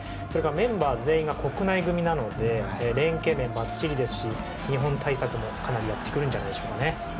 それから、メンバー全員が国内組なので連係面もばっちりですし日本対策もかなりやってくるんじゃないでしょうかね。